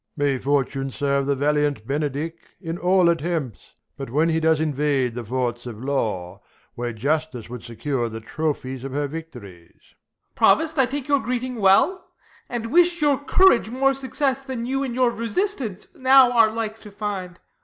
Prov. May fortune serve the valiant Benedick In all attempts, but wlien he does invade The forts of law, where justice would secure The trophies of her victories. Ben. Provost, I take your greeting well, and wish Your courage more success, than you in your Resistance now are like to find.